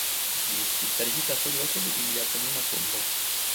Ĝi estis starigita surloke de ilia komuna tombo.